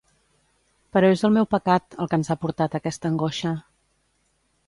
Però és el meu pecat, el que ens ha portat aquesta angoixa.